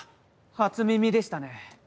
初耳でしたね。